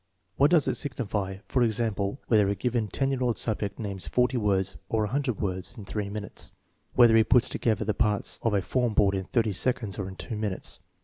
What does it signify, for example, whether a given ten year* old subject names forty words or a hundred words in three minutes? Whether he puts together the parts of a form board in thirty seconds or in two minutes?